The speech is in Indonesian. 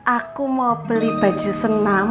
aku mau beli baju senam